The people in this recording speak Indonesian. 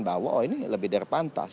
bahwa oh ini lebih dari pantas